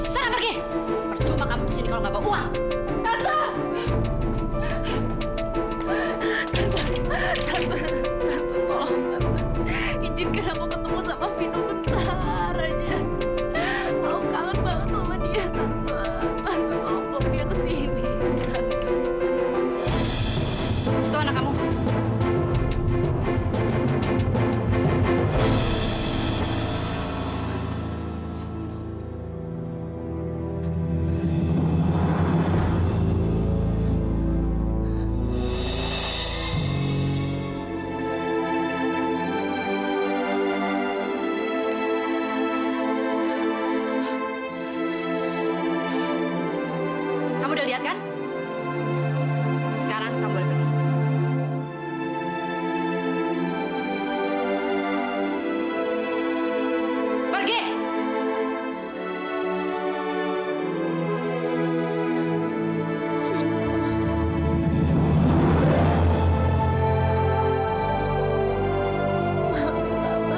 sampai jumpa di video selanjutnya